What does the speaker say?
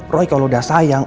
roy kalau udah sayang